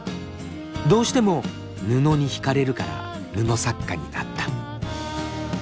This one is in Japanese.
どうしても布に惹かれるから布作家になった。